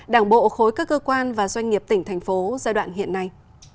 đảng bộ khối các cơ quan và doanh nghiệp tỉnh thành phố giai đoạn hiện nay